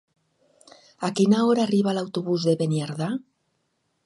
A quina hora arriba l'autobús de Beniardà?